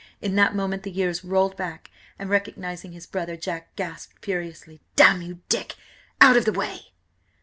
In that moment the years rolled back, and, recognising his brother, Jack gasped furiously: "Damn–you–Dick! Out–of–the way!"